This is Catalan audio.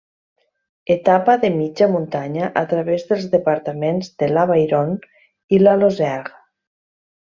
Etapa de mitja muntanya a través dels departaments de l'Avairon i la Lozère.